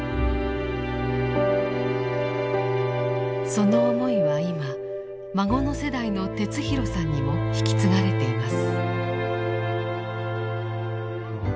その思いは今孫の世代の哲弘さんにも引き継がれています。